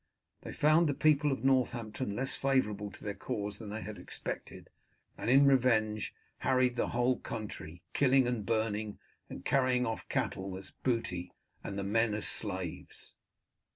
They found the people of Northampton less favourable to their cause than they had expected, and in revenge harried the whole country, killing and burning, and carrying off the cattle as booty and the men as slaves.